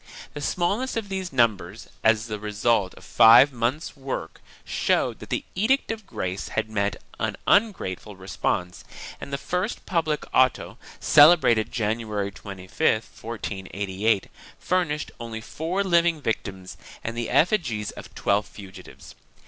3 The smallness of these numbers, as the result of five months' work, showed that the Edict of Grace had met an ungrate ful response and the first public auto, celebrated January 25, 1488, furnished only four living victims and the effigies of twelve fugitives.